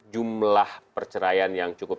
jumlah perceraian yang cukup